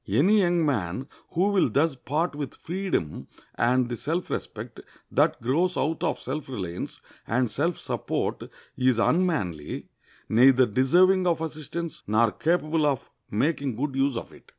Any young man who will thus part with freedom and the self respect that grows out of self reliance and self support is unmanly, neither deserving of assistance nor capable of making good use of it.